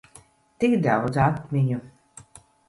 Tik daudz atmiņu.